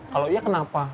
kalau iya kenapa